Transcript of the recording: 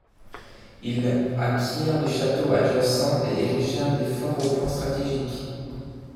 Ils acquirent les châteaux adjacents et érigèrent des forts aux points stratégiques.